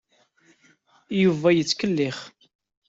Yuba yettkellix.